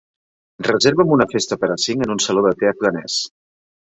Reserva'm una festa per a cinc en un saló de té afganès